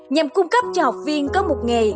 nhằm cung cấp cho học viên có một nghề